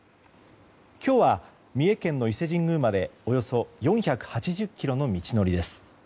今日は、三重県の伊勢神宮までおよそ４８０ｋｍの道のりです。